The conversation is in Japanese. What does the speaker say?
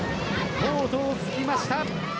コートを突きました。